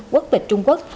quốc tịch trung quốc